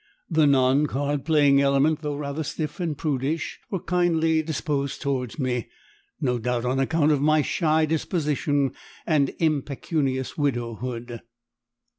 The non card playing element, though rather stiff and prudish, were kindly disposed towards me, no doubt on account of my shy disposition and impecunious widowhood.